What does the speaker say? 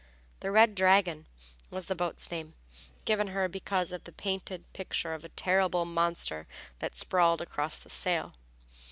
The Red Dragon was the boat's name, given her because of the painted picture of a terrible monster that sprawled across the sail.